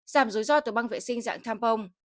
giảm dối do từ băng vệ sinh dạng tham bông